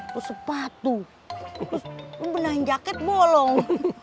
terus sepatu terus lu benahin jaket bolong